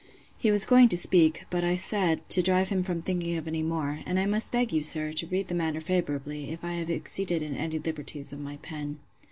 He was going to speak; but I said, to drive him from thinking of any more, And I must beg you, sir, to read the matter favourably, if I have exceeded in any liberties of my pen.